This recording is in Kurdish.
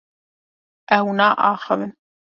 Ew naaxivin.